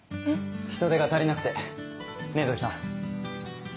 人手が足りなくてねぇ土居さん。